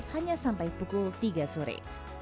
hanya sampai pukul tiga sore